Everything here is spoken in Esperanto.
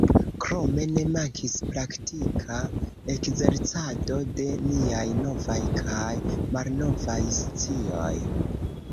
Krome ne mankis praktika ekzercado de niaj novaj kaj malnovaj scioj.